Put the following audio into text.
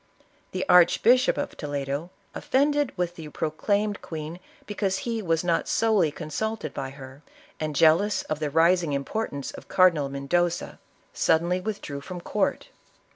The Arch bishop of Toledo, offended with the proclaimed queen because he was not solely consulted by her, and jealous of the rising importance of Cardinal Mendoza, sudden ISABELLA OF CASTILE. 75 ly withdrew from court.